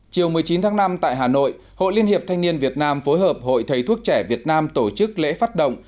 chiều một mươi chín tháng năm tại hà nội hội liên hiệp thanh niên việt nam phối hợp hội thầy thuốc trẻ việt nam tổ chức lễ phát động